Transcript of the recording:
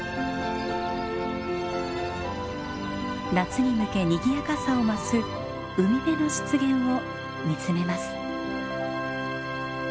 夏に向けにぎやかさを増す海辺の湿原を見つめます。